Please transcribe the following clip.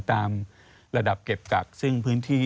ตามระดับเก็บกักซึ่งพื้นที่